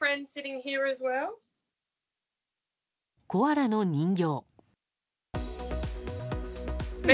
コアラの人形。